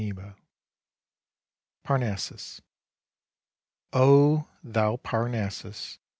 SHELLEY. PARNASSUS Oh, thou Parnassus!